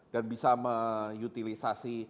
dan bisa mengutilisasi